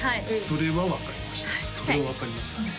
それは分かりましたね